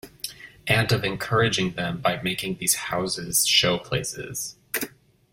And of encouraging them by making these houses show-places.